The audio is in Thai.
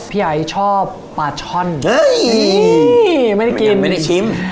พี่ไอชอบปลาช่อนเฮ้ยไม่ได้กินไม่ได้ชิม